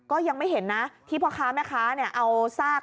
ก็ยังไม่เห็นนะที่พ่อค้าแม่ค้าเอาซาก